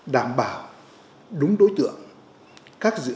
đảm bảo đúng đối tượng các dự án hiệu quả